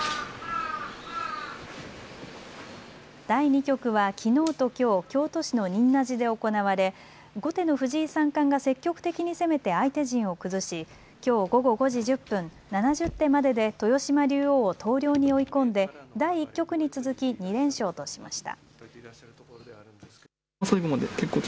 第２局はきのうときょう、京都市の仁和寺で行われ後手の藤井三冠が積極的に攻めて相手陣を崩しきょう午後５時１０分、７０手までで豊島竜王を投了に追い込んで第１局に続き２連勝としました。